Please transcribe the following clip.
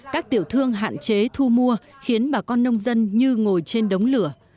các tiểu thương hạn chế thu mua khiến bà con nông dân như ngồi trên đống lửa